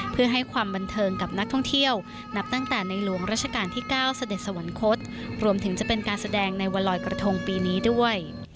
เพื่อให้ความบันเทิงกับนักท่องเที่ยวนับตั้งแต่ในหลวงราชการที่๙เสด็จสวรรคตรวมถึงจะเป็นการแสดงในวันลอยกระทงปีนี้ด้วย